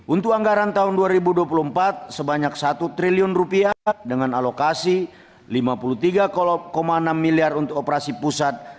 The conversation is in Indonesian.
untuk anggaran tahun dua ribu dua puluh empat sebanyak satu triliun dengan alokasi rp lima puluh tiga enam miliar untuk operasi pusat